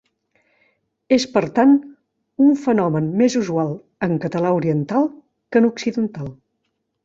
És, per tant, un fenomen més usual en català oriental que en occidental.